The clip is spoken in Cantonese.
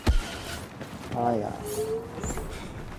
有點像人生